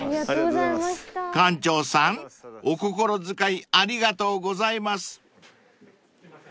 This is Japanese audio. ［館長さんお心遣いありがとうございます］